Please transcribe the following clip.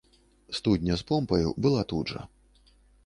Студня з помпаю была тут жа.